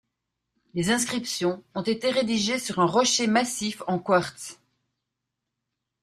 Les inscriptions ont été rédigées sur un rocher massif en quartz.